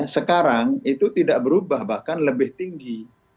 sekarang itu tidak berubah bahkan lebih tinggi